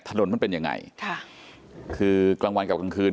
มันเป็นยังไงค่ะคือกลางวันกับกลางคืน